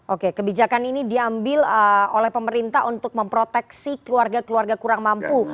oke kebijakan ini diambil oleh pemerintah untuk memproteksi keluarga keluarga kurang mampu